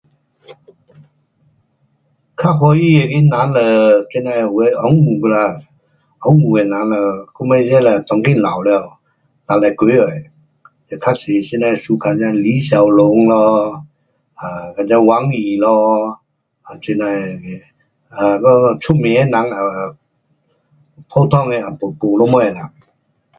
较欢喜的他人 um 就这那的，有的温故啦，温故的人呐，到尾这那当今老了，六十多岁会，嘞较多 suka 这那的李小龙咯，um 跟这王羽咯，这那的 um 咯出名的人跟普通的也没，没什么啦。